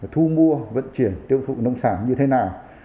thu mua vận chuyển tiêu thụ nông sản như thế nào